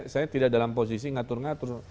saya tidak dalam posisi ngatur ngatur